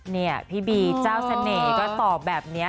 นี่พี่บีเจ้าเสน่ห์ก็ตอบแบบนี้